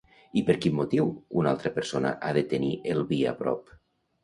I per quin motiu una altra persona ha de tenir el vi a prop?